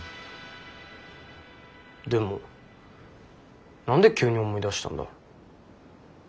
でも何で急に思い出したんだ？